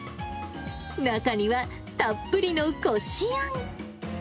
中には、たっぷりのこしあん。